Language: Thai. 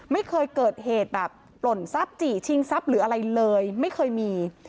ไม่เคยเกิดเหตุแบบหล่นซับจิชิงซับหรืออะไรเลยไม่เคยมี